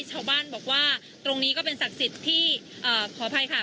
ชาวบ้านบอกว่าตรงนี้ก็เป็นศักดิ์สิทธิ์ที่ขออภัยค่ะ